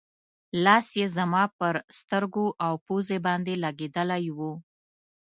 لاس یې زما پر سترګو او پوزې باندې لګېدلی و.